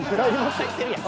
帰ってるやん。